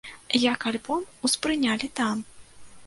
Як альбом успрынялі там?